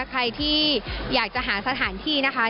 ใครที่อยากจะหาสถานที่นะคะ